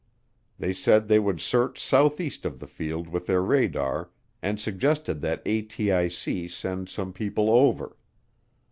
They said they would search southeast of the field with their radar and suggested that ATIC send some people over.